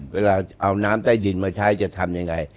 เวลาเอาน้ำใต้ดินมาใช้จะทำยังไง